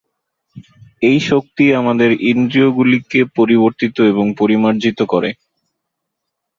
এই শক্তি আমাদের ইন্দ্রিয়গুলিকে পরিবর্তিত এবং পরিমার্জিত করে।